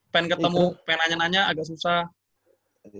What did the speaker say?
pengen ketemu pengen nanya nanya agak susah